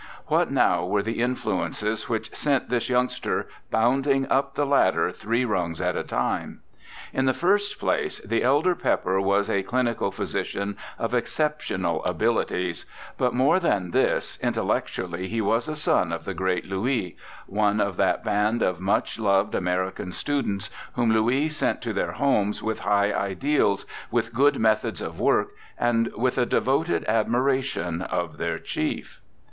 What now were the influences which sent this youngster bounding up the ladder three rungs at a time? In the first place, the elder Pepper was a clinical physician of exceptional abilities; but more than this, intellectually he was a son of the great Louis, one of that band of much loved American students, whom Louis sent to their homes with high ideals, with good methods of work, and with a devoted WILLIAM PEPPER 213 admiration of their chief.